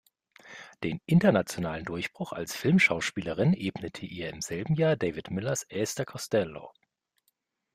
Den internationalen Durchbruch als Filmschauspielerin ebnete ihr im selben Jahr David Millers "Esther Costello".